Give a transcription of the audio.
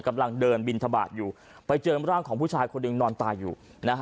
กำลังเดินบินทบาทอยู่ไปเจอร่างของผู้ชายคนหนึ่งนอนตายอยู่นะฮะ